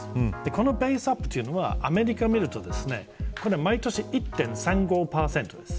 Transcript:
このベースアップというのはアメリカを見ると毎年１．３５％です。